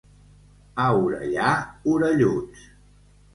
A Orellà, orelluts.